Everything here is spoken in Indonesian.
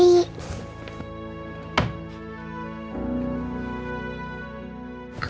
ini yang kucari